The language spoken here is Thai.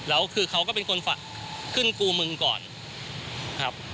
แล้วคือเขาก็เป็นคนฝากขึ้นกูมึงก่อนครับ